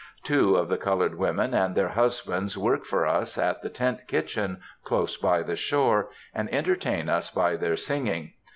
Two of the colored women and their husbands work for us at the tent kitchen, close by the shore, and entertain us by their singing.